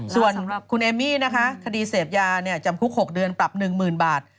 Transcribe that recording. ส่วนคุณเอมมี่นะคะคดีเสพยาจำคุก๖เดือนปรับ๑๐๐๐บาท